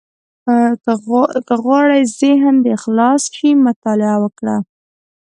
• که غواړې ذهن دې خلاص شي، مطالعه وکړه.